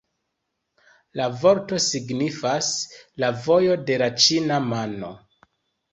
La vorto signifas «la vojo de la ĉina mano».